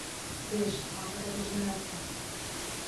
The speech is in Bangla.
বেশ, মাথাটা পেছনে রাখো।